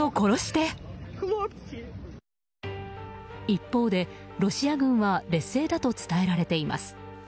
一方で、ロシア軍は劣勢だと伝えられています。